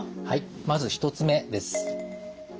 はいまず１つ目です。